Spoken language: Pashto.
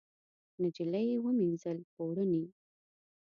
نجلۍ ومینځل پوړني